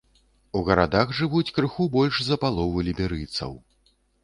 У гарадах жывуць крыху больш за палову ліберыйцаў.